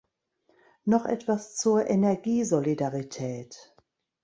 Noch etwas zur Energiesolidarität.